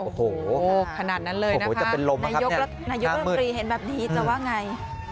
โอ้โหขนาดนั้นเลยนะคะนายกรัฐมนตรีเห็นแบบนี้จะว่าไง